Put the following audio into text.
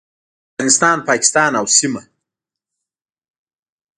افغانستان، پاکستان او سیمه